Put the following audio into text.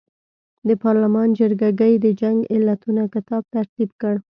د پارلمان جرګه ګۍ د جنګ علتونو کتاب ترتیب کړ.